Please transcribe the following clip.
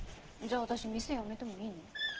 じゃあ私店辞めてもいいの？